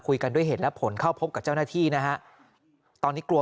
กันด้วยเหตุและผลเข้าพบกับเจ้าหน้าที่นะฮะตอนนี้กลัว